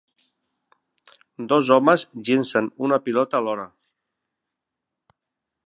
Dos homes llencen una pilota alhora